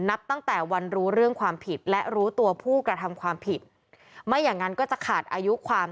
นับตั้งแต่วันรู้เรื่องความผิดและรู้ตัวผู้กระทำความผิดไม่อย่างนั้นก็จะขาดอายุความ